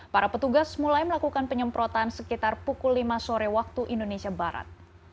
para petugas mulai melakukan penyemprotan sekitar pukul lima sore waktu indonesia barat